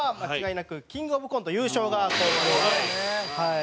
はい。